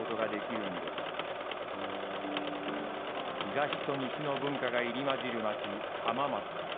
東と西の文化が入り交じる街浜松。